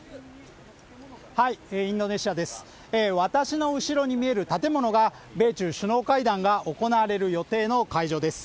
私の後ろに見える建物が米中首脳会談が行われる予定の会場です